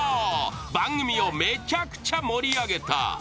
番組をめちゃくちゃ盛り上げた。